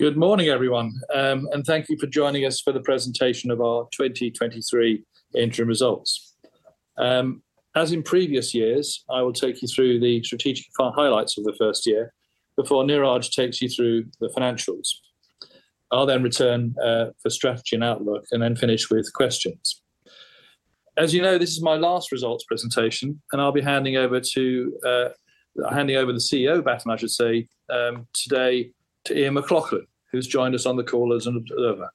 Good morning, everyone, and thank you for joining us for the presentation of our 2023 interim results. As in previous years, I will take you through the strategic highlights of the first year before Neeraj takes you through the financials. I'll then return for strategy and outlook, and then finish with questions. As you know, this is my last results presentation, and I'll be handing over to handing over the CEO baton, I should say, today to Ian McLaughlin, who's joined us on the call as an observer.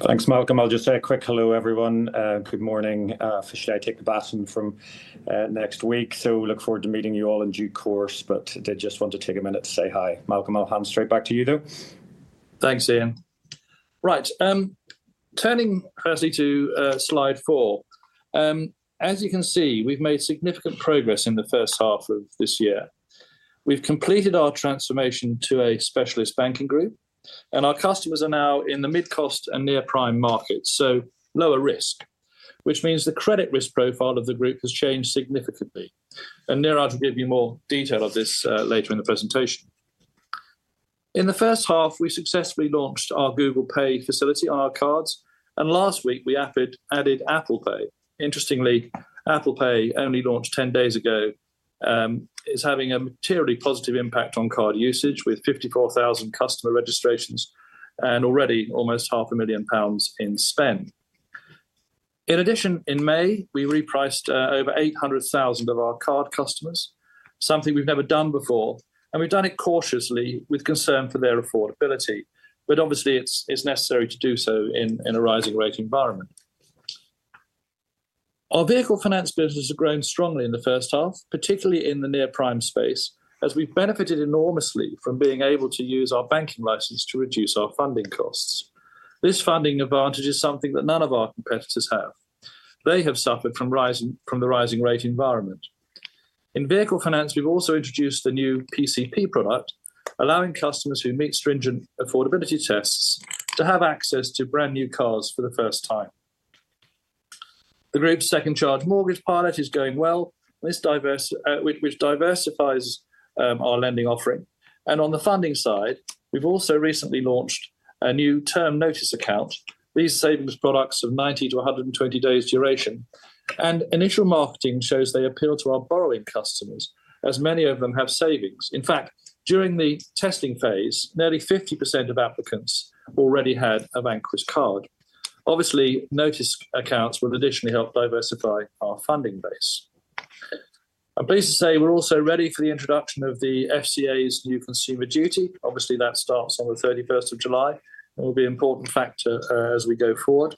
Thanks, Malcolm. I'll just say a quick hello, everyone. Good morning. Officially I take the baton from next week, so look forward to meeting you all in due course, but did just want to take a minute to say hi. Malcolm, I'll hand straight back to you, though. Thanks, Ian. Right, turning firstly to slide four. As you can see, we've made significant progress in the first half of this year. We've completed our transformation to a specialist banking group, and our customers are now in the mid-cost and near-prime markets, so lower risk, which means the credit risk profile of the group has changed significantly. Neeraj will give you more detail of this later in the presentation. In the first half, we successfully launched our Google Pay facility on our cards, and last week, we added Apple Pay. Interestingly, Apple Pay only launched 10 days ago, is having a materially positive impact on card usage, with 54,000 customer registrations and already almost 500,000 pounds in spend. In addition, in May, we repriced over 800,000 of our card customers, something we've never done before, and we've done it cautiously with concern for their affordability. Obviously it's necessary to do so in a rising rate environment. Our vehicle finance business has grown strongly in the first half, particularly in the near-prime space, as we've benefited enormously from being able to use our banking license to reduce our funding costs. This funding advantage is something that none of our competitors have. They have suffered from the rising rate environment. In vehicle finance, we've also introduced a new PCP product, allowing customers who meet stringent affordability tests to have access to brand-new cars for the first time. The group's second charge mortgage pilot is going well, this diverse, which diversifies our lending offering. On the funding side, we've also recently launched a new term Notice Account. These savings products have 90 to 120 days duration, and initial marketing shows they appeal to our borrowing customers, as many of them have savings. In fact, during the testing phase, nearly 50% of applicants already had a Vanquis card. Obviously, Notice Accounts will additionally help diversify our funding base. I'm pleased to say we're also ready for the introduction of the FCA's new Consumer Duty. Obviously, that starts on the 31st of July and will be an important factor as we go forward.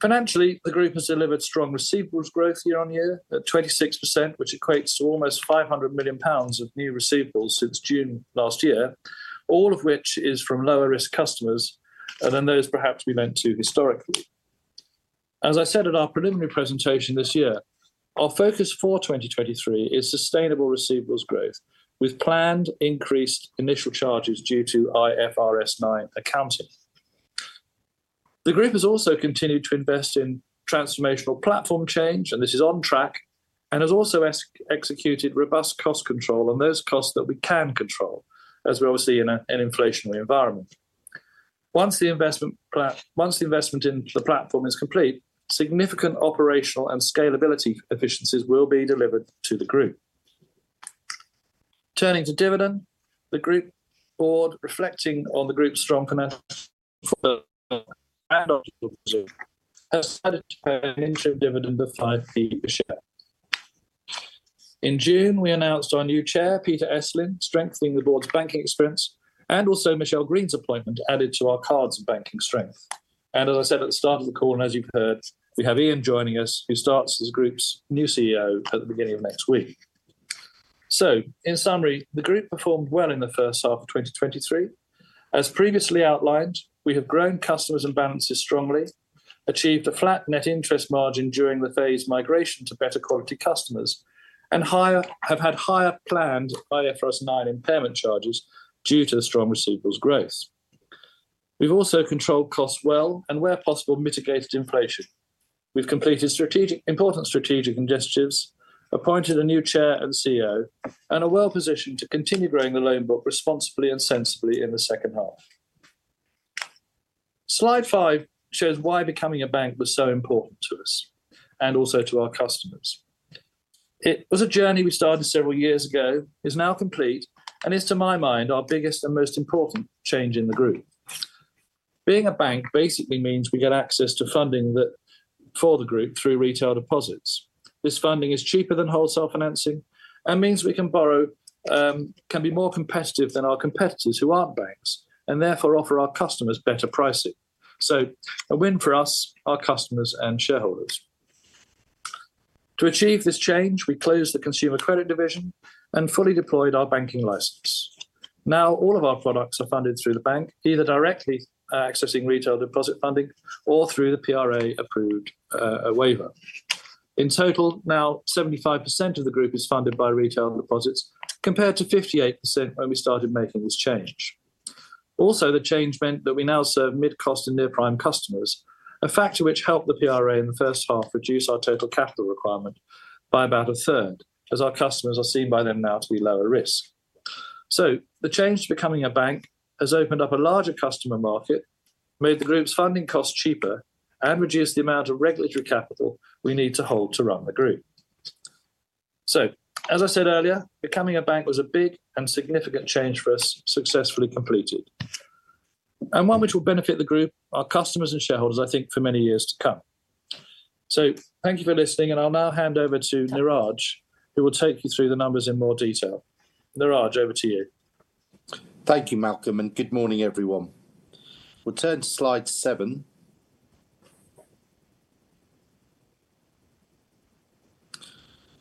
Financially, the group has delivered strong receivables growth year-over-year at 26%, which equates to almost 500 million pounds of new receivables since June last year, all of which is from lower-risk customers and than those perhaps we lent to historically. As I said in our preliminary presentation this year, our focus for 2023 is sustainable receivables growth, with planned increased initial charges due to IFRS 9 accounting. The group has also continued to invest in transformational platform change, and this is on track, and has also executed robust cost control on those costs that we can control, as we're obviously in a, an inflationary environment. Once the investment in the platform is complete, significant operational and scalability efficiencies will be delivered to the group. Turning to dividend, the group board, reflecting on the group's strong financial dividend of 5p per share. In June, we announced our new chair, Peter Estlin, strengthening the board's banking experience, and also Michele Greene's appointment added to our cards and banking strength. As I said at the start of the call, and as you've heard, we have Ian joining us, who starts as the group's new CEO at the beginning of next week. In summary, the group performed well in the first half of 2023. As previously outlined, we have grown customers and balances strongly, achieved a flat net interest margin during the phase migration to better quality customers, have had higher planned IFRS 9 impairment charges due to the strong receivables growth. We've also controlled costs well and, where possible, mitigated inflation. We've completed strategic, important strategic initiatives, appointed a new chair and CEO, and are well-positioned to continue growing the loan book responsibly and sensibly in the second half. Slide five shows why becoming a bank was so important to us and also to our customers. It was a journey we started several years ago, is now complete, and is, to my mind, our biggest and most important change in the group. Being a bank basically means we get access to funding that, for the group through retail deposits. This funding is cheaper than wholesale financing and means we can borrow, can be more competitive than our competitors who aren't banks, and therefore offer our customers better pricing. A win for us, our customers, and shareholders. To achieve this change, we closed the Consumer Credit Division and fully deployed our banking license. Now, all of our products are funded through the bank, either directly, accessing retail deposit funding or through the PRA-approved waiver. In total, now 75% of the group is funded by retail deposits, compared to 58% when we started making this change.... The change meant that we now serve mid-cost and near-prime customers, a factor which helped the PRA in the first half reduce our total capital requirement by about a third, as our customers are seen by them now to be lower risk. The change to becoming a bank has opened up a larger customer market, made the group's funding costs cheaper, and reduced the amount of regulatory capital we need to hold to run the group. As I said earlier, becoming a bank was a big and significant change for us, successfully completed, and one which will benefit the group, our customers and shareholders, I think, for many years to come. Thank you for listening, and I'll now hand over to Neeraj, who will take you through the numbers in more detail. Neeraj, over to you. Thank you, Malcolm, and good morning, everyone. We'll turn to slide seven.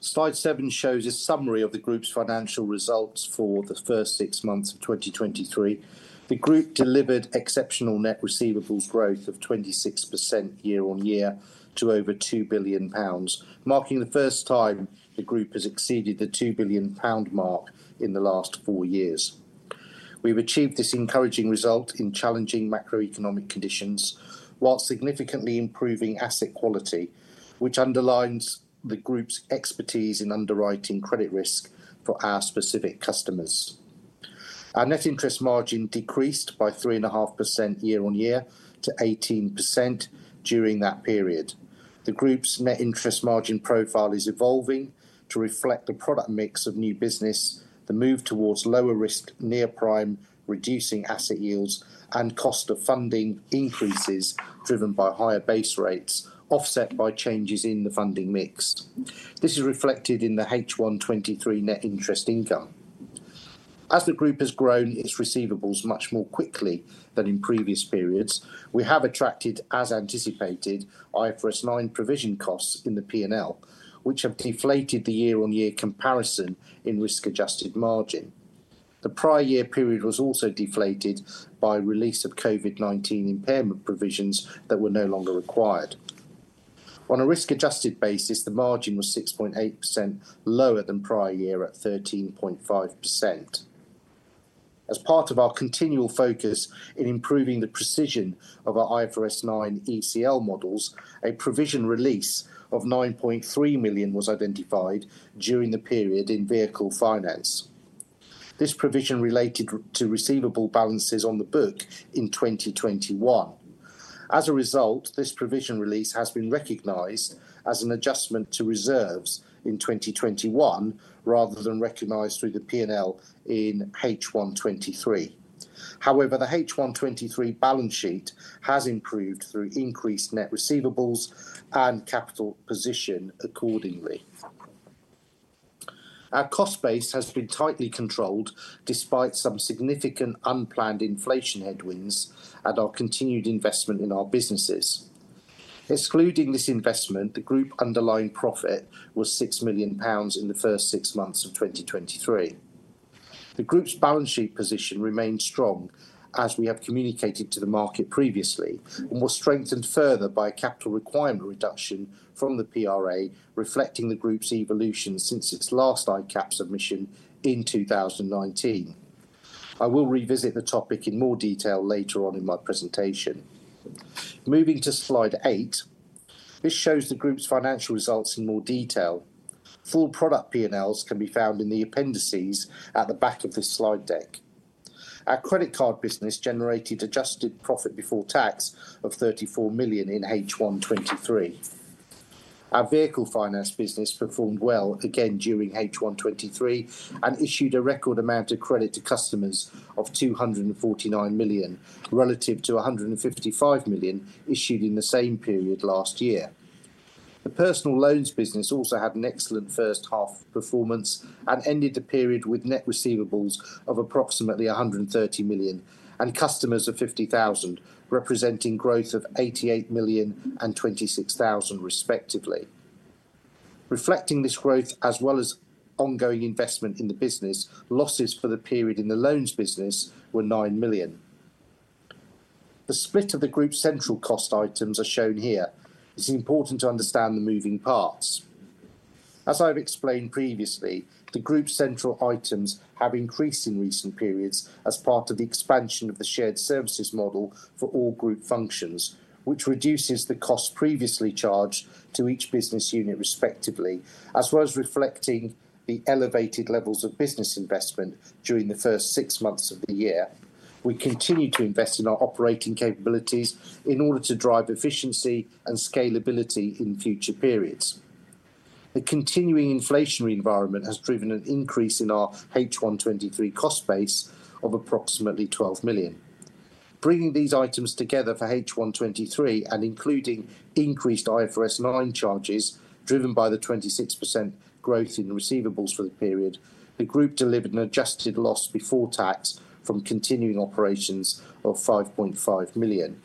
Slide seven shows a summary of the group's financial results for the first six months of 2023. The group delivered exceptional net receivables growth of 26% year-on-year to over 2 billion pounds, marking the first time the group has exceeded the 2 billion pound mark in the last four years. We've achieved this encouraging result in challenging macroeconomic conditions, while significantly improving asset quality, which underlines the group's expertise in underwriting credit risk for our specific customers. Our net interest margin decreased by 3.5% year-on-year to 18% during that period. The group's net interest margin profile is evolving to reflect the product mix of new business, the move towards lower risk near-prime, reducing asset yields and cost of funding increases driven by higher base rates, offset by changes in the funding mix. This is reflected in the H1 2023 net interest income. As the group has grown its receivables much more quickly than in previous periods, we have attracted, as anticipated, IFRS 9 provision costs in the P&L, which have deflated the year-on-year comparison in risk-adjusted margin. The prior year period was also deflated by release of COVID-19 impairment provisions that were no longer required. On a risk-adjusted basis, the margin was 6.8% lower than prior year at 13.5%. As part of our continual focus in improving the precision of our IFRS 9 ECL models, a provision release of 9.3 million was identified during the period in vehicle finance. This provision related to receivable balances on the book in 2021. As a result, this provision release has been recognized as an adjustment to reserves in 2021, rather than recognized through the P&L in H1 2023. The H1 2023 balance sheet has improved through increased net receivables and capital position accordingly. Our cost base has been tightly controlled, despite some significant unplanned inflation headwinds and our continued investment in our businesses. Excluding this investment, the group underlying profit was 6 million pounds in the first six months of 2023. The group's balance sheet position remains strong, as we have communicated to the market previously, and was strengthened further by a capital requirement reduction from the PRA, reflecting the group's evolution since its last ICAAP submission in 2019. I will revisit the topic in more detail later on in my presentation. Moving to slide eight, this shows the group's financial results in more detail. Full product P&Ls can be found in the appendices at the back of this slide deck. Our credit card business generated adjusted profit before tax of 34 million in H1 2023. Our vehicle finance business performed well again during H1 2023 and issued a record amount of credit to customers of 249 million, relative to 155 million issued in the same period last year. The personal loans business also had an excellent first half performance and ended the period with net receivables of approximately 130 million and customers of 50,000, representing growth of 88 million and 26,000, respectively. Reflecting this growth, as well as ongoing investment in the business, losses for the period in the loans business were 9 million. The split of the Group's central cost items are shown here. It's important to understand the moving parts. As I've explained previously, the Group's central items have increased in recent periods as part of the expansion of the shared services model for all Group functions, which reduces the cost previously charged to each business unit, respectively, as well as reflecting the elevated levels of business investment during the first six months of the year. We continue to invest in our operating capabilities in order to drive efficiency and scalability in future periods. The continuing inflationary environment has driven an increase in our H1 2023 cost base of approximately 12 million. Bringing these items together for H1 2023 and including increased IFRS 9 charges, driven by the 26% growth in receivables for the period, the group delivered an adjusted loss before tax from continuing operations of 5.5 million.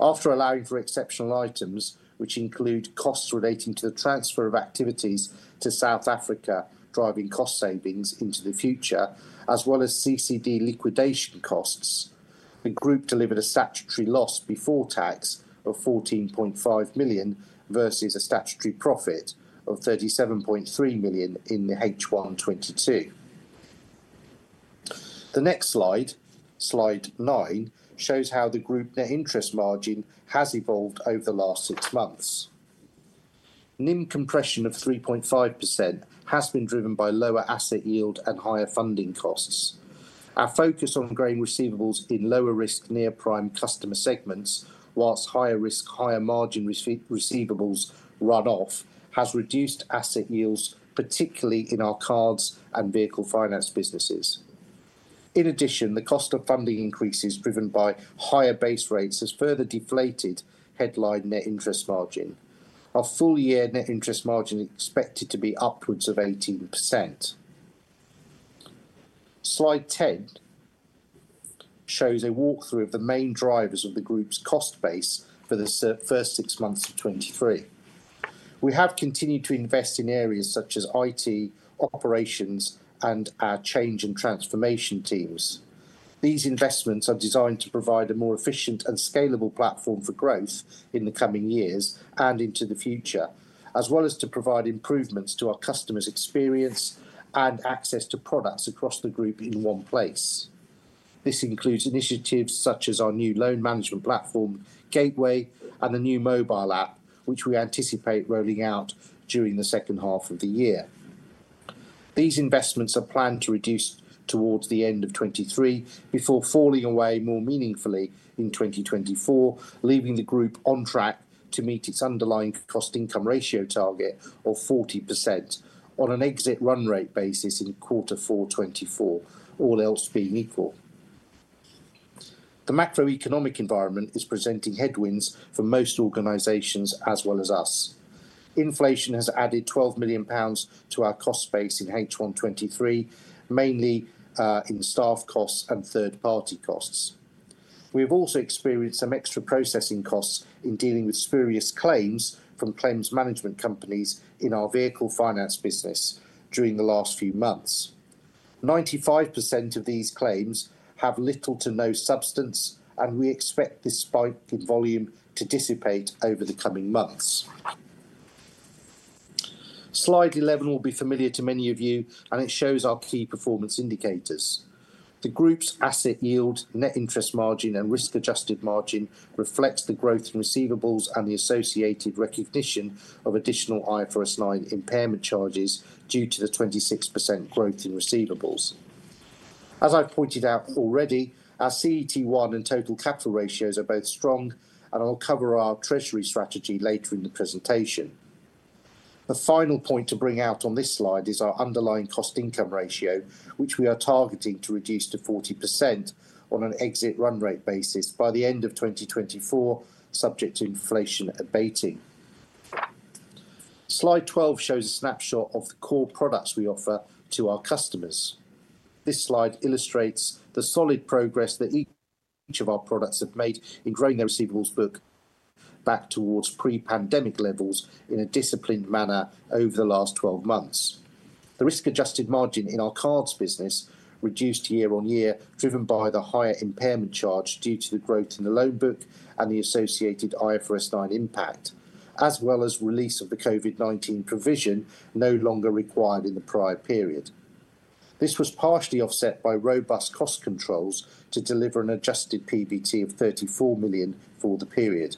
After allowing for exceptional items, which include costs relating to the transfer of activities to South Africa, driving cost savings into the future, as well as CCD liquidation costs. The group delivered a statutory loss before tax of 14.5 million, versus a statutory profit of 37.3 million in the H1 2022. The next slide, slide nine, shows how the group net interest margin has evolved over the last six months. NIM compression of 3.5% has been driven by lower asset yield and higher funding costs. Our focus on growing receivables in lower risk, near-prime customer segments, whilst higher risk, higher margin receivables run off, has reduced asset yields, particularly in our cards and vehicle finance businesses. The cost of funding increases, driven by higher base rates, has further deflated headline net interest margin. Our full year net interest margin expected to be upwards of 18%. Slide 10 shows a walkthrough of the main drivers of the group's cost base for the first six months of 2023. We have continued to invest in areas such as IT, operations, and our change and transformation teams. These investments are designed to provide a more efficient and scalable platform for growth in the coming years and into the future, as well as to provide improvements to our customers' experience and access to products across the group in one place. This includes initiatives such as our new loan management platform, Gateway, and the new mobile app, which we anticipate rolling out during the second half of the year. These investments are planned to reduce towards the end of 2023, before falling away more meaningfully in 2024, leaving the group on track to meet its underlying cost income ratio target of 40% on an exit run rate basis in Q4 2024, all else being equal. The macroeconomic environment is presenting headwinds for most organizations as well as us. Inflation has added 12 million pounds to our cost base in H1 2023, mainly in staff costs and third-party costs. We have also experienced some extra processing costs in dealing with spurious claims from claims management companies in our vehicle finance business during the last few months. 95% of these claims have little to no substance, and we expect this spike in volume to dissipate over the coming months. Slide 11 will be familiar to many of you, and it shows our key performance indicators. The group's asset yield, net interest margin, and risk-adjusted margin reflects the growth in receivables and the associated recognition of additional IFRS 9 impairment charges due to the 26% growth in receivables. As I pointed out already, our CET1 and total capital ratios are both strong, and I'll cover our treasury strategy later in the presentation. The final point to bring out on this slide is our underlying cost income ratio, which we are targeting to reduce to 40% on an exit run rate basis by the end of 2024, subject to inflation abating. Slide 12 shows a snapshot of the core products we offer to our customers. This slide illustrates the solid progress that each of our products have made in growing their receivables book back towards pre-pandemic levels in a disciplined manner over the last 12 months. The risk-adjusted margin in our cards business reduced year-on-year, driven by the higher impairment charge due to the growth in the loan book and the associated IFRS 9 impact, as well as release of the COVID-19 provision no longer required in the prior period. This was partially offset by robust cost controls to deliver an adjusted PBT of 34 million for the period.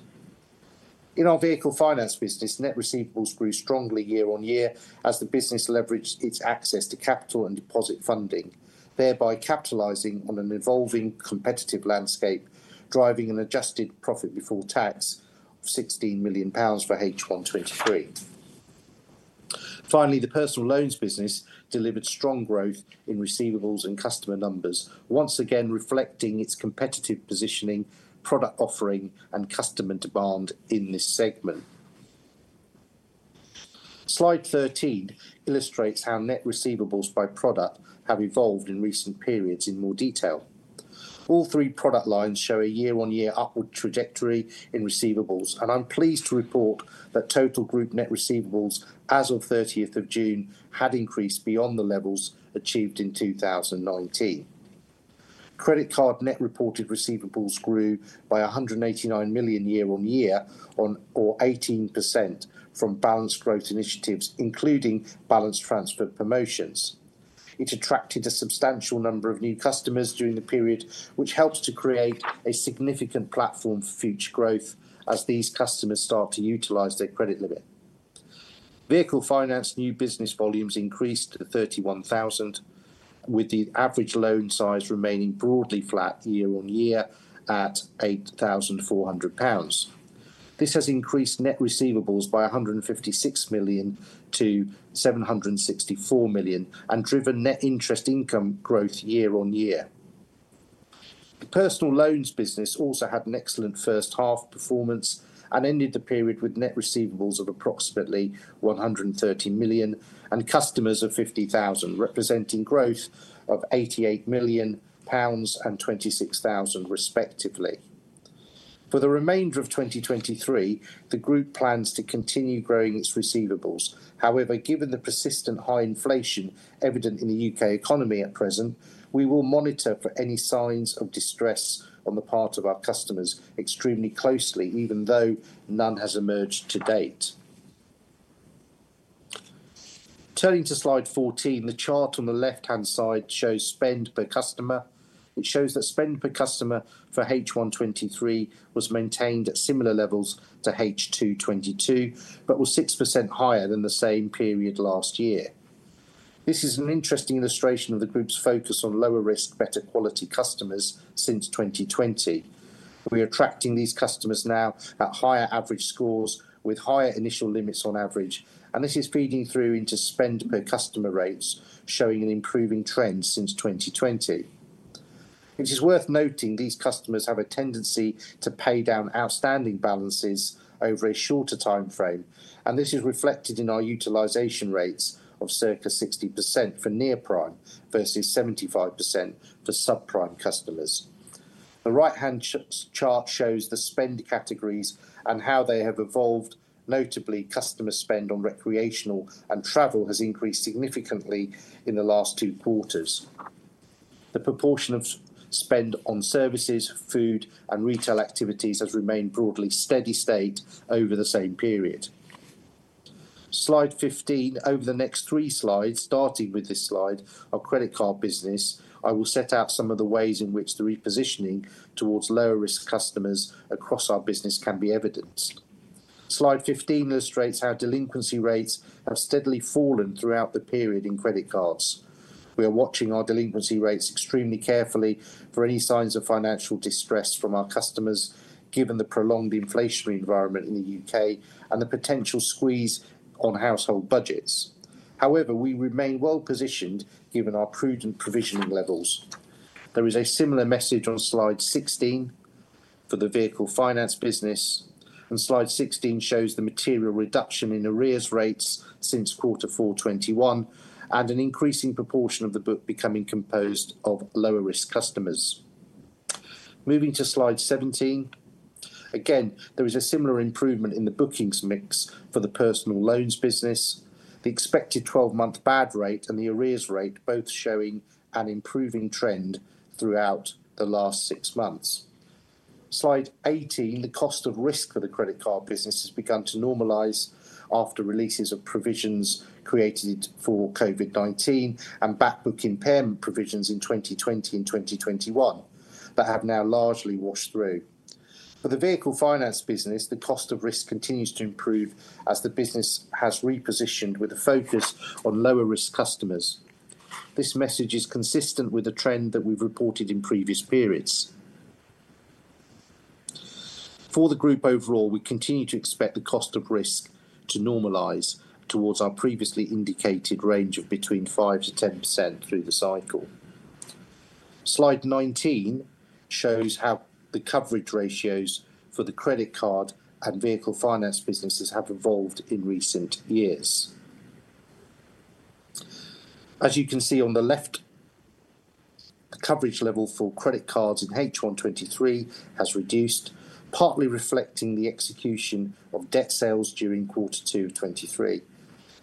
In our vehicle finance business, net receivables grew strongly year-on-year as the business leveraged its access to capital and deposit funding, thereby capitalizing on an evolving competitive landscape, driving an adjusted profit before tax of 16 million pounds for H1 2023. Finally, the personal loans business delivered strong growth in receivables and customer numbers, once again, reflecting its competitive positioning, product offering, and customer demand in this segment. Slide 13 illustrates how net receivables by product have evolved in recent periods in more detail. All three product lines show a year-on-year upward trajectory in receivables, and I'm pleased to report that total group net receivables as of 30th of June, had increased beyond the levels achieved in 2019. Credit card net reported receivables grew by 189 million year on year on, or 18% from balance growth initiatives, including balance transfer promotions. It attracted a substantial number of new customers during the period, which helps to create a significant platform for future growth as these customers start to utilize their credit limit. Vehicle finance new business volumes increased to 31,000, with the average loan size remaining broadly flat year on year at 8,400 pounds. This has increased net receivables by 156 million-764 million and driven net interest income growth year on year. The personal loans business also had an excellent first half performance and ended the period with net receivables of approximately 130 million and customers of 50,000, representing growth of 88 million pounds and 26,000, respectively. For the remainder of 2023, the group plans to continue growing its receivables. However, given the persistent high inflation evident in the U.K. economy at present, we will monitor for any signs of distress on the part of our customers extremely closely, even though none has emerged to date. Turning to slide 14, the chart on the left-hand side shows spend per customer. It shows that spend per customer for H1 2023 was maintained at similar levels to H2 2022, but was 6% higher than the same period last year. This is an interesting illustration of the group's focus on lower risk, better quality customers since 2020. We are attracting these customers now at higher average scores with higher initial limits on average, and this is feeding through into spend per customer rates, showing an improving trend since 2020. It is worth noting these customers have a tendency to pay down outstanding balances over a shorter time frame, and this is reflected in our utilization rates of circa 60% for near-prime versus 75% for subprime customers. The right-hand chart shows the spend categories and how they have evolved. Notably, customer spend on recreational and travel has increased significantly in the last two quarters. The proportion of spend on services, food, and retail activities has remained broadly steady state over the same period. Slide 15 over the next three slides, starting with this slide, our credit card business, I will set out some of the ways in which the repositioning towards lower risk customers across our business can be evidenced. Slide 15 illustrates how delinquency rates have steadily fallen throughout the period in credit cards. We are watching our delinquency rates extremely carefully for any signs of financial distress from our customers, given the prolonged inflationary environment in the U.K. and the potential squeeze on household budgets. However, we remain well positioned given our prudent provisioning levels. There is a similar message on slide 16 for the vehicle finance business, and slide 16 shows the material reduction in arrears rates since quarter four 2021, and an increasing proportion of the book becoming composed of lower risk customers. Moving to slide 17, again, there is a similar improvement in the bookings mix for the personal loans business. The expected 12-month bad rate and the arrears rate both showing an improving trend throughout the last six months. Slide 18, the cost of risk for the credit card business has begun to normalize after releases of provisions created for COVID-19 and back book impairment provisions in 2020 and 2021, but have now largely washed through. For the vehicle finance business, the cost of risk continues to improve as the business has repositioned with a focus on lower risk customers. This message is consistent with the trend that we've reported in previous periods. For the group overall, we continue to expect the cost of risk to normalize towards our previously indicated range of between 5%-10% through the cycle. Slide 19 shows how the coverage ratios for the credit card and vehicle finance businesses have evolved in recent years. As you can see on the left, the coverage level for credit cards in H1 2023 has reduced, partly reflecting the execution of debt sales during Q2 2023.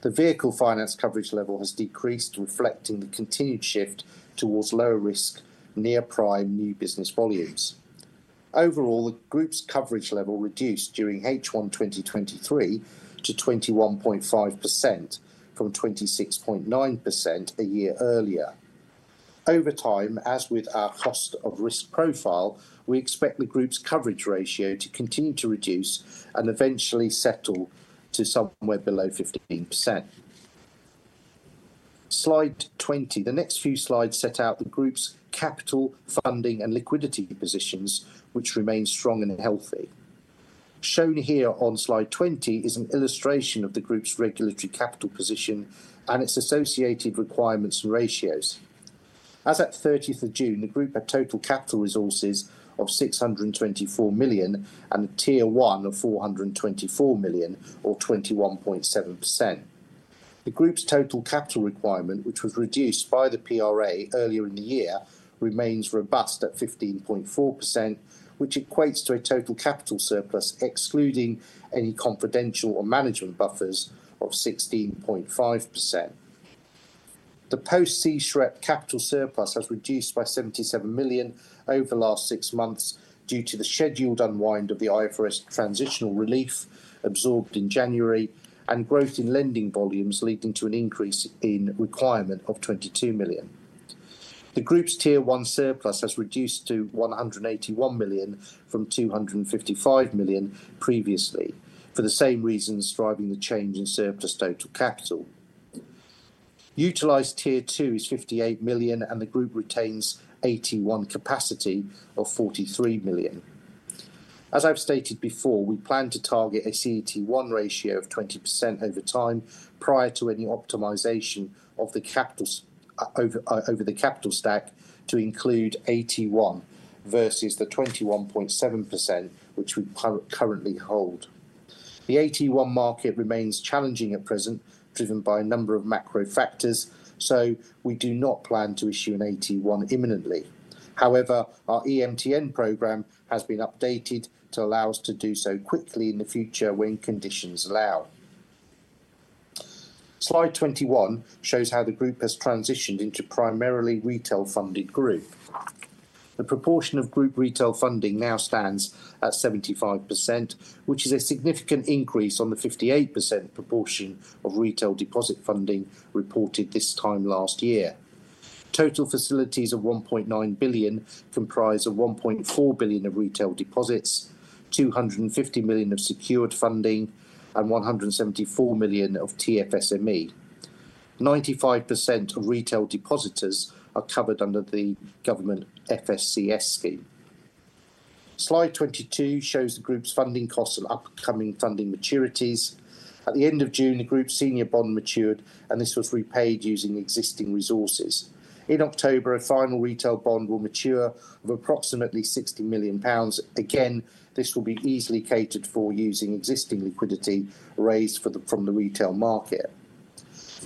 The vehicle finance coverage level has decreased, reflecting the continued shift towards lower risk, near-prime new business volumes. Overall, the group's coverage level reduced during H1 2023 to 21.5% from 26.9% a year earlier. Over time, as with our cost of risk profile, we expect the group's coverage ratio to continue to reduce and eventually settle to somewhere below 15%. Slide 20. The next few slides set out the group's capital funding and liquidity positions, which remain strong and healthy. Shown here on slide 20 is an illustration of the group's regulatory capital position and its associated requirements and ratios. As at 30th of June, the group had total capital resources of 624 million, and a Tier 1 of 424 million or 21.7%. The group's total capital requirement, which was reduced by the PRA earlier in the year, remains robust at 15.4%, which equates to a total capital surplus, excluding any confidential or management buffers, of 16.5%. The post C-SREP capital surplus has reduced by 77 million over the last six months due to the scheduled unwind of the IFRS transitional relief absorbed in January, and growth in lending volumes leading to an increase in requirement of 22 million. The group's Tier 1 surplus has reduced to 181 million from 255 million previously, for the same reasons driving the change in surplus total capital. Utilized Tier 2 is 58 million. The group retains AT1 capacity of 43 million. As I've stated before, we plan to target a CET1 ratio of 20% over time, prior to any optimization of the capitals, over, over the capital stack to include AT1 versus the 21.7%, which we currently hold. The AT1 market remains challenging at present, driven by a number of macro factors. We do not plan to issue an AT1 imminently. Our EMTN program has been updated to allow us to do so quickly in the future when conditions allow. Slide 21 shows how the group has transitioned into primarily retail-funded group. The proportion of group retail funding now stands at 75%, which is a significant increase on the 58% proportion of retail deposit funding reported this time last year. Total facilities of 1.9 billion comprise of 1.4 billion of retail deposits, 250 million of secured funding, and 174 million of TFSME. 95% of retail depositors are covered under the government FSCS scheme. Slide 22 shows the group's funding costs and upcoming funding maturities. At the end of June, the group senior bond matured, and this was repaid using existing resources. In October, a final retail bond will mature of approximately 60 million pounds. Again, this will be easily catered for using existing liquidity raised from the retail market.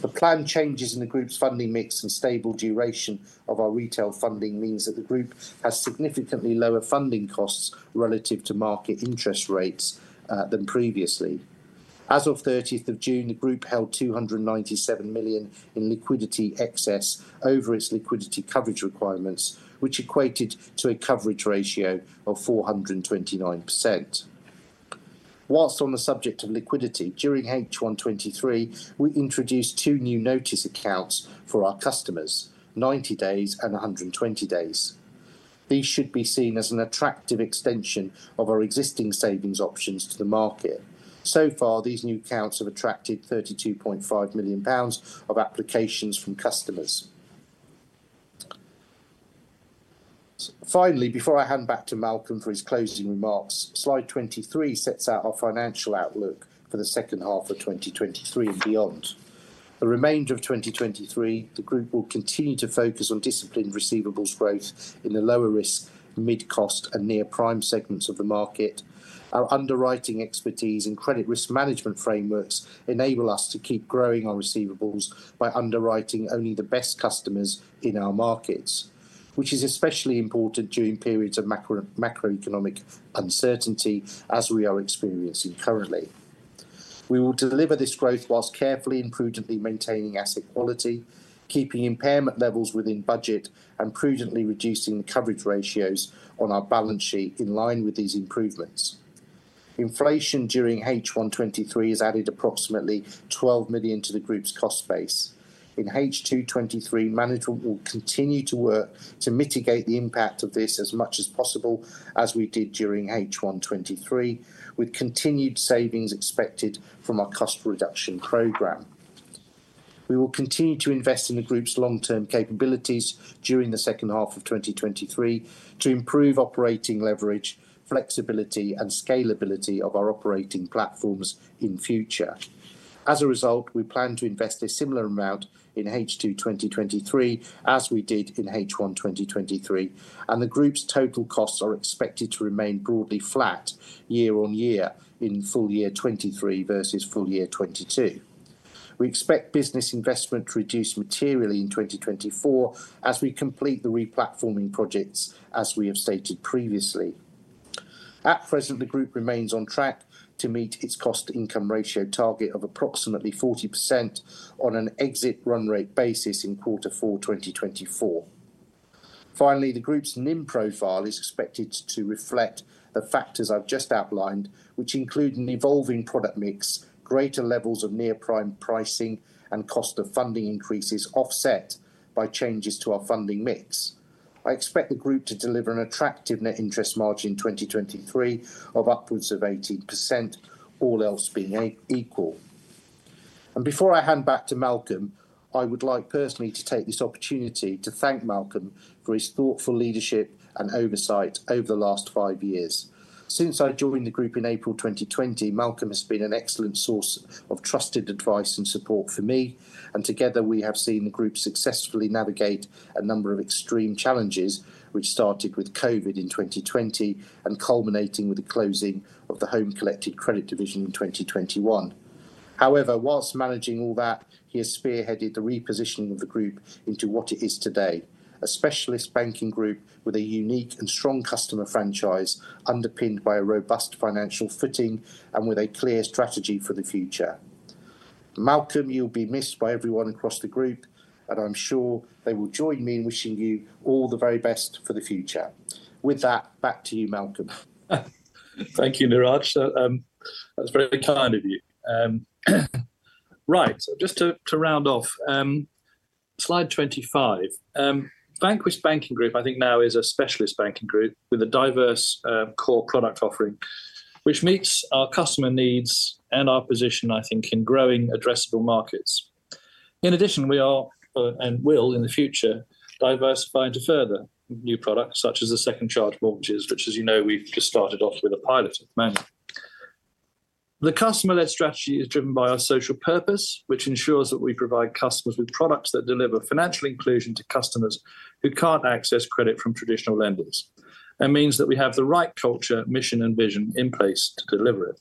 The planned changes in the group's funding mix and stable duration of our retail funding means that the group has significantly lower funding costs relative to market interest rates than previously. As of 30th of June, the group held 297 million in liquidity excess over its liquidity coverage requirements, which equated to a coverage ratio of 429%. While on the subject of liquidity, during H1 2023, we introduced two new Notice Accounts for our customers, 90 days and 120 days. These should be seen as an attractive extension of our existing savings options to the market. So far, these new accounts have attracted 32.5 million pounds of applications from customers. Finally, before I hand back to Malcolm for his closing remarks, slide 23 sets out our financial outlook for the second half of 2023 and beyond. The remainder of 2023, the group will continue to focus on disciplined receivables growth in the lower risk, mid-cost, and near-prime segments of the market. Our underwriting expertise and credit risk management frameworks enable us to keep growing our receivables by underwriting only the best customers in our markets, which is especially important during periods of macro, macroeconomic uncertainty, as we are experiencing currently. We will deliver this growth while carefully and prudently maintaining asset quality, keeping impairment levels within budget, and prudently reducing the coverage ratios on our balance sheet in line with these improvements. Inflation during H1 2023 has added approximately 12 million to the group's cost base. In H2 2023, management will continue to work to mitigate the impact of this as much as possible, as we did during H1 2023, with continued savings expected from our cost reduction program. We will continue to invest in the group's long-term capabilities during the second half of 2023 to improve operating leverage, flexibility, and scalability of our operating platforms in future. As a result, we plan to invest a similar amount in H2 2023, as we did in H1 2023, and the group's total costs are expected to remain broadly flat year on year in full year 2023 versus full year 2022. We expect business investment to reduce materially in 2024 as we complete the replatforming projects, as we have stated previously. At present, the group remains on track to meet its cost income ratio target of approximately 40% on an exit run rate basis in quarter four 2024. Finally, the group's NIM profile is expected to reflect the factors I've just outlined, which include an evolving product mix, greater levels of near-prime pricing, and cost of funding increases offset by changes to our funding mix. I expect the group to deliver an attractive net interest margin in 2023 of upwards of 18%, all else being equal. Before I hand back to Malcolm, I would like personally to take this opportunity to thank Malcolm for his thoughtful leadership and oversight over the last five years. Since I joined the group in April 2020, Malcolm has been an excellent source of trusted advice and support for me, and together, we have seen the group successfully navigate a number of extreme challenges, which started with COVID in 2020 and culminating with the closing of the Home Collected Credit Division in 2021. However, whilst managing all that, he has spearheaded the repositioning of the group into what it is today, a specialist banking group with a unique and strong customer franchise, underpinned by a robust financial footing and with a clear strategy for the future. Malcolm, you'll be missed by everyone across the group, and I'm sure they will join me in wishing you all the very best for the future. With that, back to you, Malcolm. Thank you, Neeraj. That's very kind of you. Right, just to, to round off, slide 25. Vanquis Banking Group, I think, now is a specialist banking group with a diverse core product offering, which meets our customer needs and our position, I think, in growing addressable markets. In addition, we are, and will, in the future, diversify into further new products, such as the second charge mortgages, which, as you know, we've just started off with a pilot at the moment. The customer-led strategy is driven by our social purpose, which ensures that we provide customers with products that deliver financial inclusion to customers who can't access credit from traditional lenders, and means that we have the right culture, mission, and vision in place to deliver it....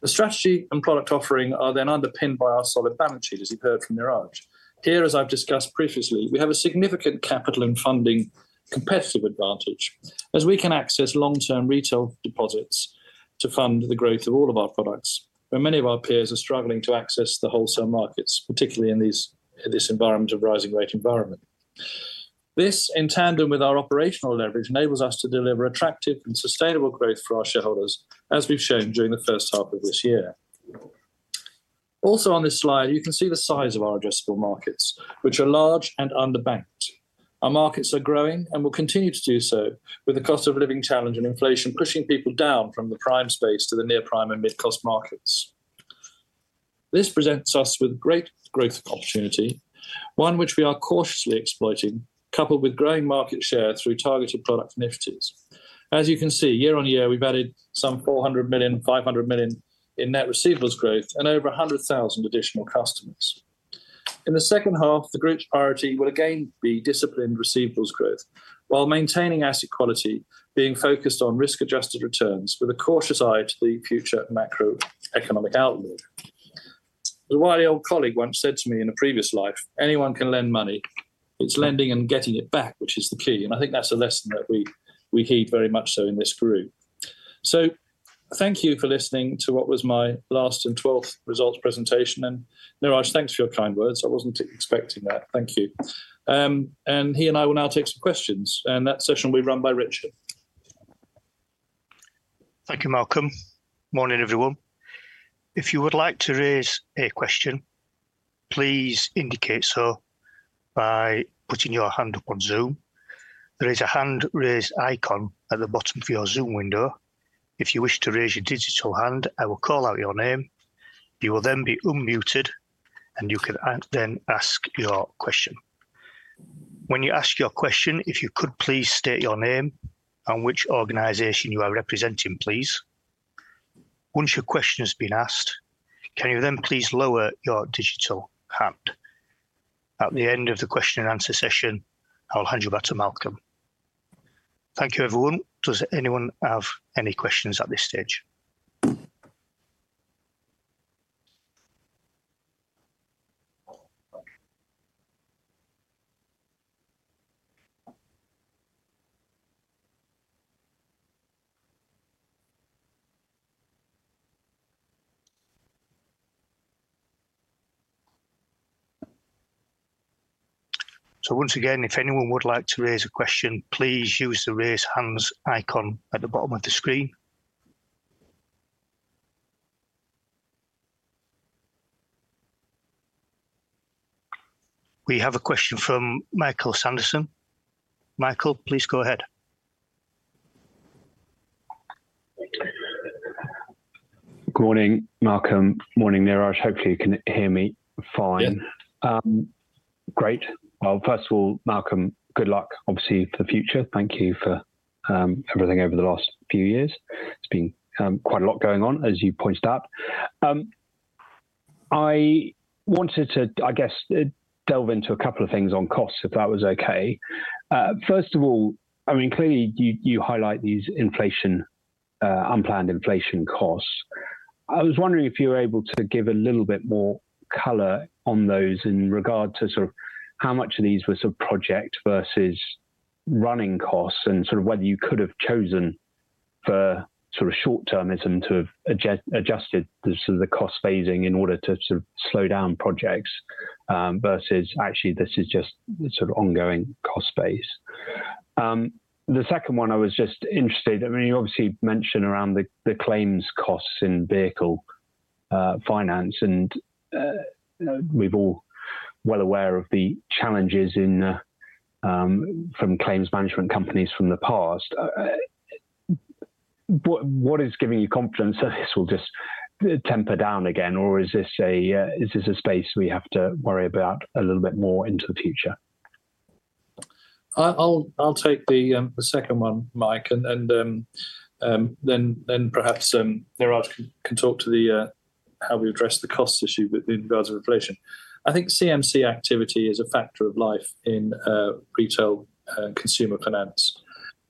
The strategy and product offering are then underpinned by our solid balance sheet, as you've heard from Neeraj. Here, as I've discussed previously, we have a significant capital and funding competitive advantage, as we can access long-term retail deposits to fund the growth of all of our products, where many of our peers are struggling to access the wholesale markets, particularly in this environment of rising rate environment. This, in tandem with our operational leverage, enables us to deliver attractive and sustainable growth for our shareholders, as we've shown during the first half of this year. Also on this slide, you can see the size of our addressable markets, which are large and underbanked. Our markets are growing and will continue to do so, with the cost-of-living challenge and inflation pushing people down from the prime space to the near-prime and mid-cost markets. This presents us with great growth opportunity, one which we are cautiously exploiting, coupled with growing market share through targeted product initiatives. As you can see, year on year, we've added some 400 million, 500 million in net receivables growth and over 100,000 additional customers. In the second half, the group's priority will again be disciplined receivables growth while maintaining asset quality, being focused on risk-adjusted returns with a cautious eye to the future macroeconomic outlook. A wise old colleague once said to me in a previous life: "Anyone can lend money. It's lending and getting it back, which is the key." I think that's a lesson that we, we heed very much so in this group. Thank you for listening to what was my last and 12th results presentation. Neeraj, thanks for your kind words. I wasn't expecting that. Thank you. He and I will now take some questions, and that session will be run by Richard. Thank you, Malcolm. Morning, everyone. If you would like to raise a question, please indicate so by putting your hand up on Zoom. There is a hand raise icon at the bottom of your Zoom window. If you wish to raise your digital hand, I will call out your name. You will then be unmuted, and you can then ask your question. When you ask your question, if you could please state your name and which organization you are representing, please. Once your question has been asked, can you then please lower your digital hand? At the end of the question and answer session, I'll hand you back to Malcolm. Thank you, everyone. Does anyone have any questions at this stage? Once again, if anyone would like to raise a question, please use the raise hands icon at the bottom of the screen. We have a question from Michael Sanderson. Michael, please go ahead. Good morning, Malcolm. Morning, Neeraj. Hopefully, you can hear me fine. Yep. Great. Well, first of all, Malcolm, good luck, obviously, for the future. Thank you for everything over the last few years. It's been quite a lot going on, as you pointed out. I wanted to, I guess, delve into a couple of things on costs, if that was okay. First of all, I mean, clearly, you, you highlight these inflation, unplanned inflation costs. I was wondering if you were able to give a little bit more color on those in regard to sort of how much of these were sort of project versus running costs, and sort of whether you could have chosen for sort of short-termism to have adjusted the, sort of the cost phasing in order to sort of slow down projects, versus actually, this is just the sort of ongoing cost base. The second one, I was just interested, I mean, you obviously mentioned around the, the claims costs in vehicle finance, and, you know, we're all well aware of the challenges in from claims management companies from the past. What, what is giving you confidence that this will just temper down again? Or is this a, is this a space we have to worry about a little bit more into the future? I'll take the second one, Mike, and then perhaps Neeraj can talk to how we address the cost issue with regards to inflation. I think CMC activity is a factor of life in retail consumer finance,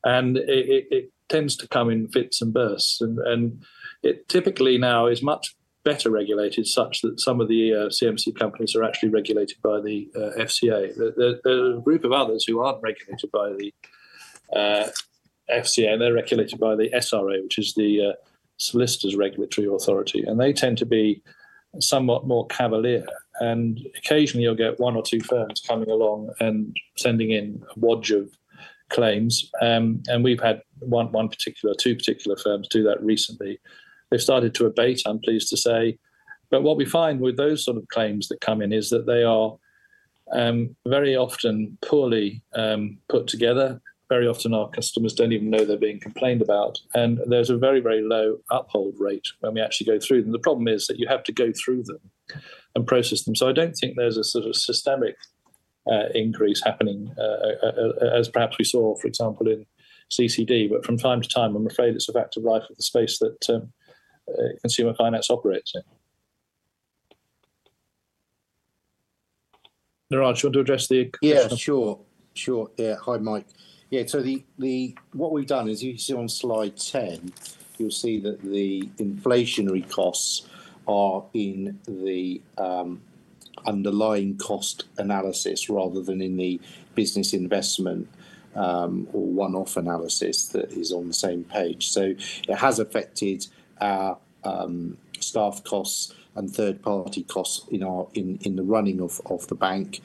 and it tends to come in fits and bursts, and it typically now is much better regulated, such that some of the CMC companies are actually regulated by the FCA. There are a group of others who aren't regulated by the FCA, and they're regulated by the SRA, which is the Solicitors Regulation Authority, and they tend to be somewhat more cavalier. Occasionally, you'll get one or two firms coming along and sending in a wodge of claims, and we've had one, one particular... two particular firms do that recently. They've started to abate, I'm pleased to say, but what we find with those sort of claims that come in is that they are very often poorly put together. Very often, our customers don't even know they're being complained about, and there's a very, very low uphold rate when we actually go through them. The problem is that you have to go through them and process them. I don't think there's a sort of systemic increase happening as perhaps we saw, for example, in CCD, but from time to time, I'm afraid it's a fact of life of the space that consumer finance operates in. Neeraj, do you want to address the question? Yeah, sure. Sure. Yeah. Hi, Mike. Yeah, what we've done is you see on slide 10, you'll see that the inflationary costs are in the underlying cost analysis rather than in the business investment or one-off analysis that is on the same page. It has affected our staff costs and third-party costs in our running of the bank.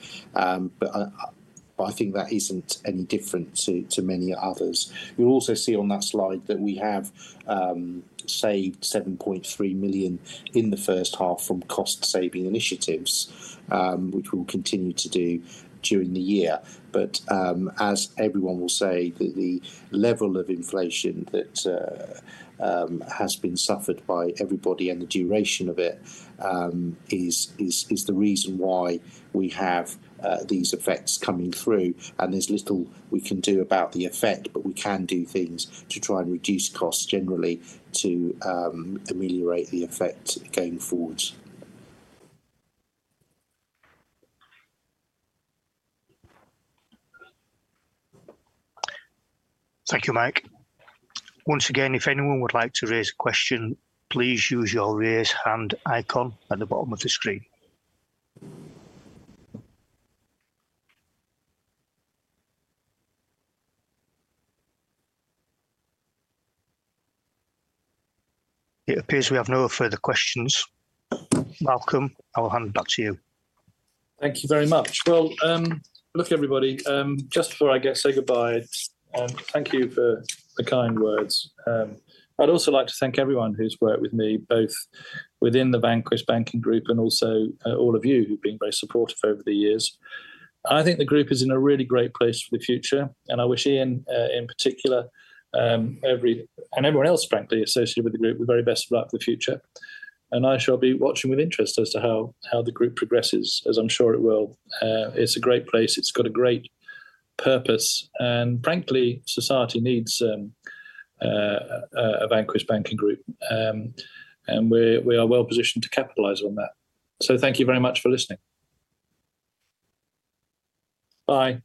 I, I think that isn't any different to many others. You'll also see on that slide that we have saved 7.3 million in the first half from cost-saving initiatives, which we'll continue to do during the year. As everyone will say, the level of inflation that has been suffered by everybody and the duration of it is the reason why we have these effects coming through, and there's little we can do about the effect, but we can do things to try and reduce costs generally to ameliorate the effect going forward. Thank you, Mike. Once again, if anyone would like to raise a question, please use your raise hand icon at the bottom of the screen. It appears we have no further questions. Malcolm, I will hand it back to you. Thank you very much. Well, look, everybody, just before I say goodbye, thank you for the kind words. I'd also like to thank everyone who's worked with me, both within the Vanquis Banking Group and also, all of you who've been very supportive over the years. I think the group is in a really great place for the future, and I wish Ian, in particular, and everyone else, frankly, associated with the group, the very best of luck for the future. I shall be watching with interest as to how, how the group progresses, as I'm sure it will. It's a great place. It's got a great purpose, and frankly, society needs a Vanquis Banking Group. We're, we are well positioned to capitalize on that. Thank you very much for listening. Bye.